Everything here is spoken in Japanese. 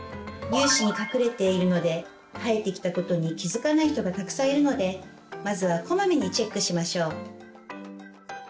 乳歯に隠れているので生えてきたことに気付かない人がたくさんいるのでまずはこまめにチェックしましょう。